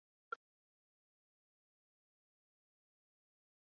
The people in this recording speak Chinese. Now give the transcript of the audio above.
武装刺铠虾为铠甲虾科刺铠虾属下的一个种。